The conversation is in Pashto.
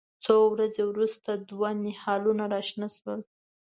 څو ورځې وروسته دوه نهالونه راشنه شول.